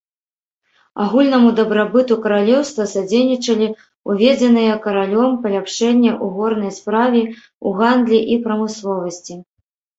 Агульнаму дабрабыту каралеўства садзейнічалі ўведзеныя каралём паляпшэння ў горнай справе, у гандлі і прамысловасці.